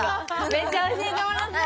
めっちゃ教えてもらったの。